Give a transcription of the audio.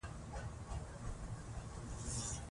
زه د نوي عادت جوړولو هڅه کوم.